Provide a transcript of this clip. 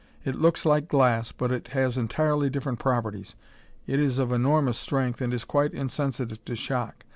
It looks like glass, but it has entirely different properties. It is of enormous strength and is quite insensitive to shock.